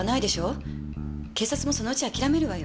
警察もそのうちあきらめるわよ。